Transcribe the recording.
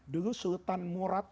dulu sultan murad